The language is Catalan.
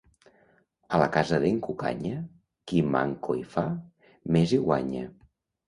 A la casa d'en Cucanya, qui manco hi fa, més hi guanya.